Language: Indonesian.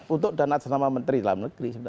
untuk dana tersama menteri dalam negeri